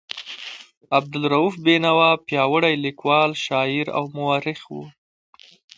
عبدالرؤف بېنوا پیاوړی لیکوال، شاعر او مورخ و.